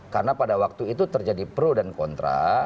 karena pada waktu itu terjadi pro dan kontra